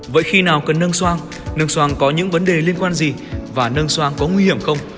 vậy khi nào cần nâng xoang nâng xoang có những vấn đề liên quan gì và nâng xoang có nguy hiểm không